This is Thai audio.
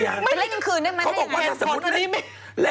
เล่นกันคืนได้ไหมถ้าอย่างไรแทนฟอร์ตตอนนี้ไม่เขาบอกว่าถ้าสมมุติเล่น